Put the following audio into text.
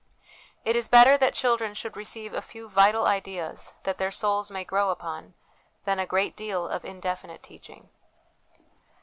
It is better that children should receive a few vital ideas that their souls may grow upon than a great deal of indefinite teaching.